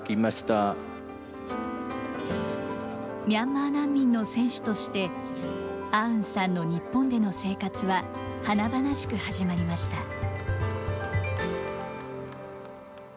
ミャンマー難民の選手として、アウンさんの日本での生活は華々しく始まりました。